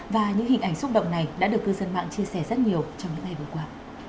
và những hình ảnh xúc động này đã được cư dân mạng chia sẻ rất nhiều trong những ngày vừa qua